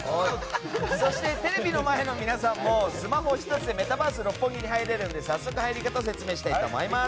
そしてテレビの前の皆さんもスマホ１つでメタバース六本木に入れるので早速入り方を説明したいと思います。